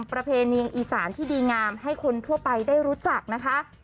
ประเพณีอีสานที่ดีงามให้คนทั่วไปได้รู้จักนะคะ